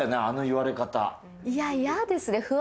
あの言われ方いややですね